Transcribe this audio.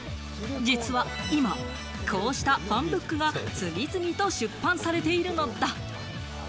実は今、こうしたファンブックが次々と出版されているのだ。